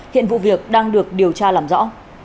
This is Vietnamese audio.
hiện vụ việc đang được điều tra làm rõ